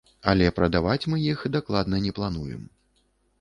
Але прадаваць мы іх дакладна не плануем.